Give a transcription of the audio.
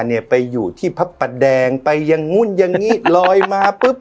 เนี่ยไปอยู่ที่พระประแดงไปอย่างนู้นอย่างนี้ลอยมาปุ๊บ